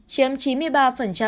chiếm chín đồng